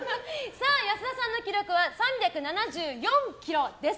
安田さんの記録は３７４ｋｇです。